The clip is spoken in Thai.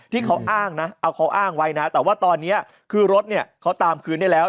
ที่เขาอ้างนะเอาเขาอ้างไว้นะแต่ว่าตอนนี้คือรถเนี่ยเขาตามคืนได้แล้ว